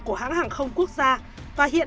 của hãng hàng không quốc gia và hiện